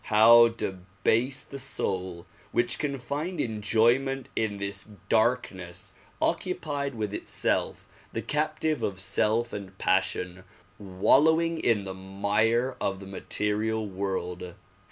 How debased the soul which can find enjoyment in this darkness, occupied with itself, the captive of self and passion, wallowing in the mire of the material world